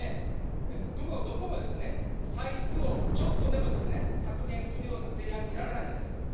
どこもですね、歳出をちょっとでもですね、削減するような提案ってやらないじゃないですか。